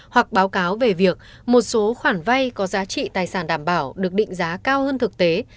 hoặc báo cáo về việc một số khoản vay có giá trị tài sản đảm bảo được định giá cao hơn thực tế